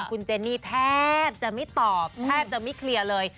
คุณเจนี่แทบจะไม่ตอบแทบจะไม่เคลียร์เลย